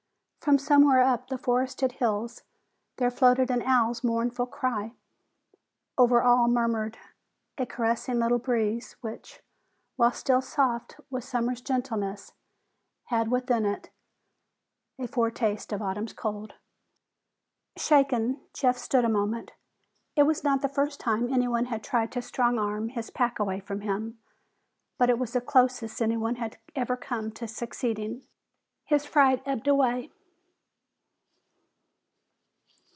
From somewhere up in the forested hills there floated an owl's mournful cry. Over all murmured a caressing little breeze which, while still soft with summer's gentleness, had within it a foretaste of autumn's cold. Shaken, Jeff stood a moment. It was not the first time anyone had tried to strong arm his pack away from him, but it was the closest anyone had ever come to succeeding. His fright ebbed away.